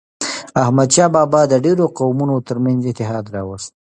احمدشاه بابا د ډیرو قومونو ترمنځ اتحاد راووست.